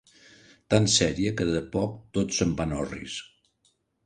Tant seria que de poc tot se'n va en orris